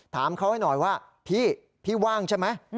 ถามเขาให้หน่อยว่าพี่พี่ว่างใช่ไหม